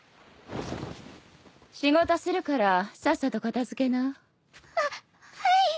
仕事するからさっさと片付けな。ははい！